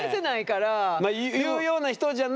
言うような人じゃないけど。